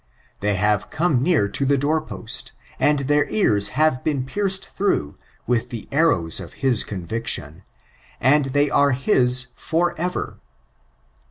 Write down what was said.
They have come near to the door post, and their ears have been pierced through with the arrows of his c«uivicti<)n, and they are his^br ever.